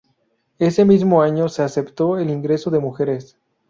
Ese mismo año se aceptó el ingreso de mujeres.